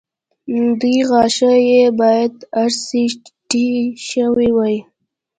دوه غاښه يې باید ار سي ټي شوي وای